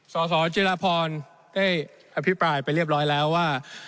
สสจิรพรได้อภิปรายไปเรียบร้อยแล้วว่า